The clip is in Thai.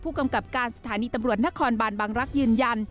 กำกับการสถานีตำรวจนครบานบางรักษ์ยืนยัน